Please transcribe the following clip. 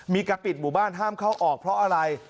มีการปิดหมู่บ้านห้ามเข้าออกเพราะอะไร